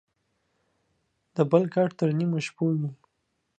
دبل کټ تر نيمو شپو وى.